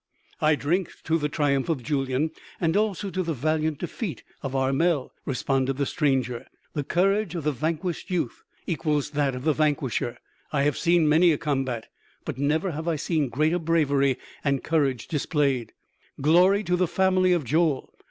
"I drink to the triumph of Julyan and also to the valiant defeat of Armel!" responded the stranger. "The courage of the vanquished youth equals that of the vanquisher.... I have seen many a combat, but never have I seen greater bravery and courage displayed! Glory to the family of Joel!...